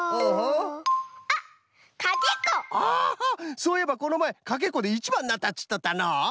そういえばこのまえかけっこでいちばんになったといっとったのう！